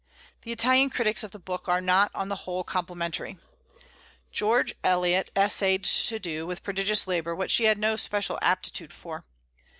The Italian critics of the book are not, on the whole, complimentary. George Eliot essayed to do, with prodigious labor, what she had no special aptitude for.